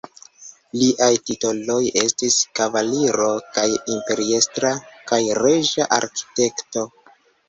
Liaj titoloj estis kavaliro kaj imperiestra kaj reĝa arkitekto.